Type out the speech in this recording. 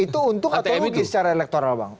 itu untuk atau secara elektoral bang